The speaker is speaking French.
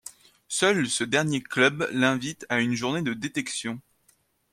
Seul ce dernier club l'invite à une journée de détection.